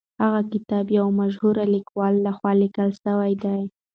هغه کتاب د یو مشهور لیکوال لخوا لیکل سوی دی.